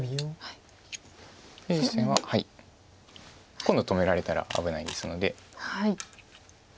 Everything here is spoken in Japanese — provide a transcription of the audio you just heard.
今度止められたら危ないですので。